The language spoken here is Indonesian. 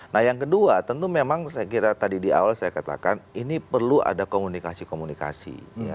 nah yang kedua tentu memang saya kira tadi di awal saya katakan ini perlu ada komunikasi komunikasi